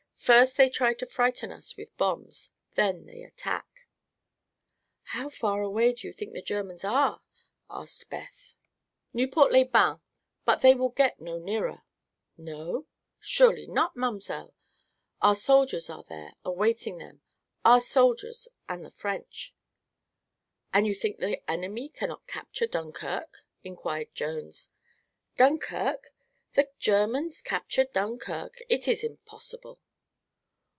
First they try to frighten us with bombs, then they attack." "How far away do you think the Germans are?" asked Beth. "Nieuport les Bains. But they will get no nearer." "No?" "Surely not, mamselle. Our soldiers are there, awaiting them. Our soldiers, and the French." "And you think the enemy cannot capture Dunkirk?" inquired Jones. "Dunkirk! The Germans capture Dunkirk? It is impossible."